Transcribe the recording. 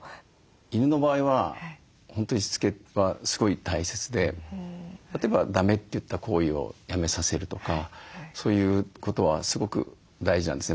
犬の場合は本当にしつけはすごい大切で例えばだめといった行為をやめさせるとかそういうことはすごく大事なんですね。